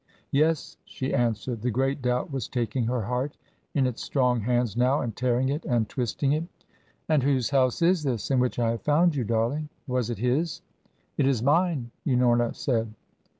"Yes," she answered. The great doubt was taking her heart in its strong hands now and tearing it, and twisting it. "And whose house is this in which I have found you, darling? Was it his?" "It is mine," Unorna said.